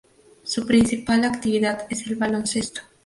Su principal actividad es el baloncesto.